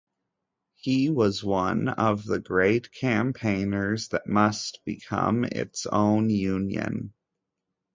He was one of the great campaigners that must become its own Union.